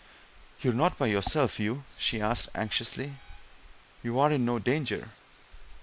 "You're not by yourself, Hugh?" she asked anxiously. "You're in no danger?"